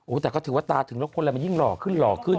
โอ้ยแต่ก็ถือว่าตาถึงลูกคนแล้วมันยิ่งหล่อขึ้นหล่อขึ้น